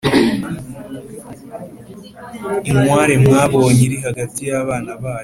Inkware mwabonye iri hagati y'abana bayo,